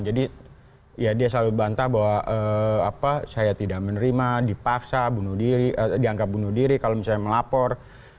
jadi dia selalu bantah bahwa saya tidak menerima dipaksa dianggap bunuh diri kalau misalnya melapor